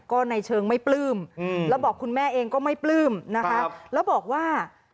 ก็ในเชิงไม่ปลื้มแล้วบอกคุณแม่เองก็ไม่ปลื้มนะคะแล้วบอกว่า